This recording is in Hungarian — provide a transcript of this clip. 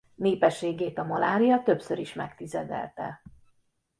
Népességét a malária többször is megtizedelte.